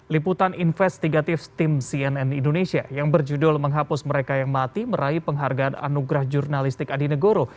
liputan investigatif tim cnn indonesia yang berjudul menghapus mereka yang mati meraih penghargaan anugerah jurnalistik adi negoro